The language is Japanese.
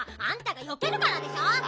あんたがよけるからでしょ？